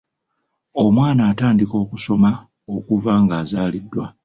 Omwana atandika okusoma okuva ng’azaaliddwa.